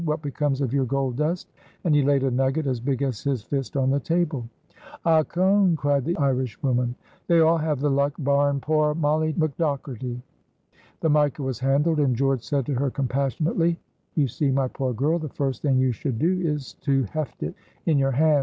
What becomes of your gold dust?" And he laid a nugget as big as his fist on the table. "Ochone!" cried the Irishwoman, "they all have the luck barrin' poor Molly McDogherty." The mica was handled, and George said to her compassionately, "You see, my poor girl, the first thing you should do is to heft it in your hand.